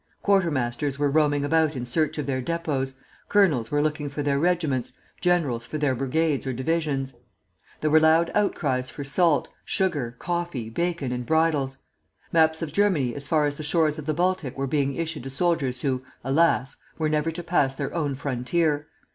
Quartermasters were roaming about in search of their depots, colonels were looking for their regiments, generals for their brigades or divisions. There were loud outcries for salt, sugar, coffee, bacon, and bridles. Maps of Germany as far as the shores of the Baltic were being issued to soldiers who, alas! were never to pass their own frontier.